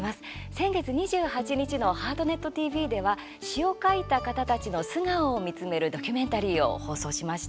先月２８日の「ハートネットＴＶ」では詩を書いた方たちの素顔を見つめるドキュメンタリーを放送しました。